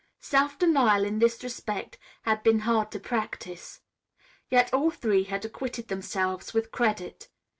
Self denial in this respect had been hard to practice. Yet all three had acquitted themselves with credit.